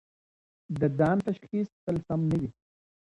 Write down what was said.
د ځان تشخیص تل سم نه وي.